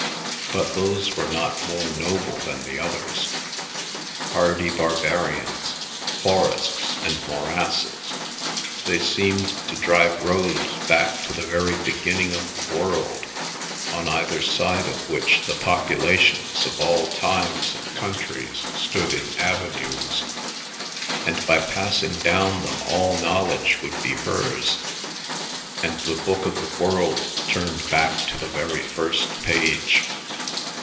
But those were not more noble than the others, hardy barbarians, forests, and morasses. They seemed to drive roads back to the very beginning of the world, on either side of which the populations of all times and countries stood in avenues, and by passing down them all knowledge would be hers, and the book of the world turned back to the very first page.